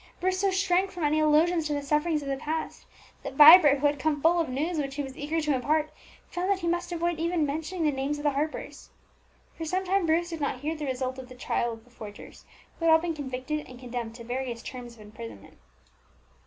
Bruce so shrank from any allusions to the sufferings of the past, that Vibert, who had come full of news which he was eager to impart, found that he must avoid even mentioning the names of the Harpers. For some time Bruce did not hear the result of the trial of the forgers, who had all been convicted and condemned to various terms of imprisonment.